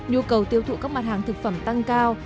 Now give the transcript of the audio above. nhu cầu tiêu thụ các mặt hàng thực phẩm tăng cao